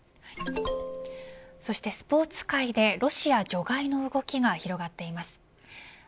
そしてスポーツ界でロシア除外の動きが広がっています。